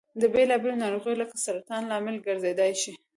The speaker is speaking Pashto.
د بېلا بېلو نارغیو لکه سرطان لامل ګرځيدای شي.